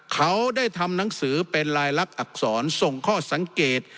เขาได้ทำหนังสือเป็นลายลักษณอักษรส่งข้อสังเกต